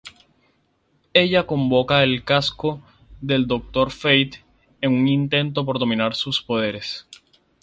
Ella convoca el casco del Doctor Fate en un intento por dominar sus poderes.